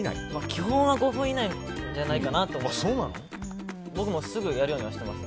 基本は５分以内じゃないかと思います。